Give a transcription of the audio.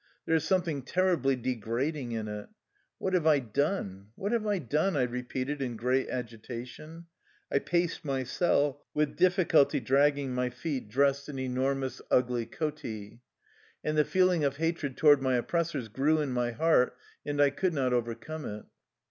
There is something terribly degrad ing in it. "What have I done? what have I done?'' I repeated in great agitation. I paced my cell, with difficulty dragging my feet dressed in enor 1 Overcoat. 88 THE LIFE STOEY OF A EUSSIAN EXILE mous, ugly kotl. And the feeling of hatred to ward my oppressors grew in my heart and I could not overcome it.